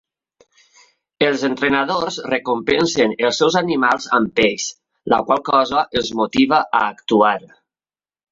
Els entrenadors recompensen els seus animals amb peix, la qual cosa els motiva a actuar.